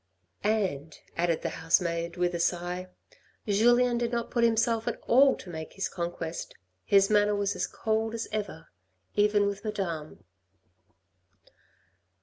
" And," added the housemaid with a sigh, " Julien did not put himself out at all to make his conquest, his manner was as cold as ever, even with Madame."